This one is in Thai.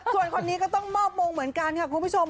ส่วนคนนี้ก็ต้องมอบมงก์เหมือนกันครับ